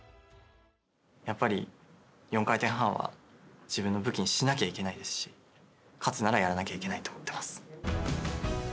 やっぱり、４回転半は自分の武器にしなきゃいけないですし勝つならやらなきゃいけないと思っています。